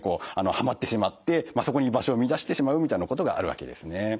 はまってしまってそこに居場所を見いだしてしまうみたいなことがあるわけですね。